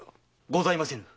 ございませぬ。